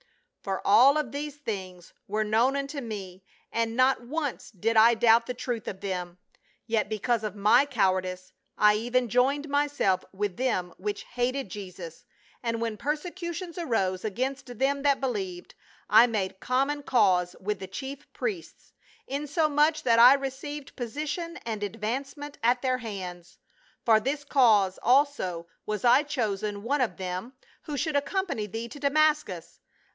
For all of these things were known unto me, and not once did I doubt the truth of them, yet because of my cowardice I even joined myself with them which hated Jesus, and when persecutions arose against them that believed, I made common cause with the chief priests, insomuch that I received posi tion and advancement at their hands. For this cause also was I chosen one of them who should accompany thee to Damascus.